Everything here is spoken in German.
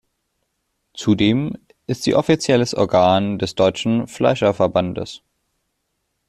Zudem ist sie offizielles Organ des Deutschen Fleischer-Verbandes.